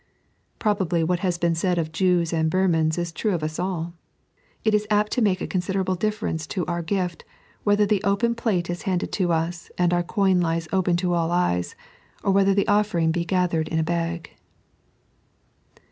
" Probably what has been said of Jews and Burmans is true of us all. It is apt to make a considerable difference to our gift whether the open plate is handed to us, and our coin lies open to all eyes, or whether the offering be gathered in a bag.